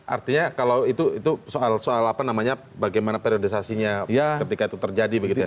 artinya kalau itu soal apa namanya bagaimana periodisasinya ketika itu terjadi begitu ya